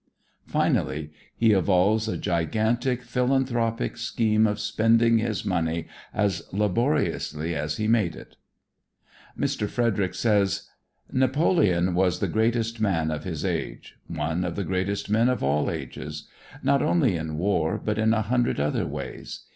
Finally he evolves a gigantic philanthropic scheme of spending his money as laboriously as he made it. Mr. Frederic says: "Napoleon was the greatest man of his age one of the greatest men of all ages not only in war but in a hundred other ways.